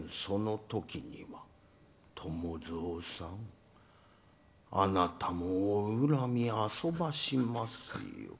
その時には伴蔵さんあなたも、お恨みあそばしますよ。